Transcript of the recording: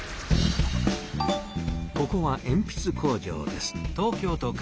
ここはえんぴつ工場です。